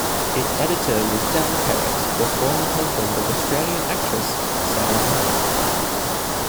Its editor was Dan Peres, the former husband of Australian actress Sarah Wynter.